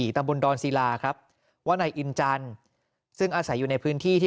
ตำบลดอนศิลาครับว่านายอินจันทร์ซึ่งอาศัยอยู่ในพื้นที่ที่